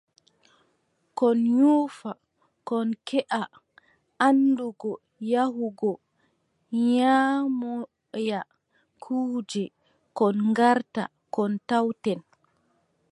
Kon nyuufa, kon keʼa anndugo yahugo nyaamoya kuuje, kon ngarta, kon tawten.